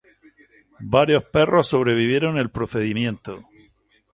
Varios perros sobrevivieron el procedimiento.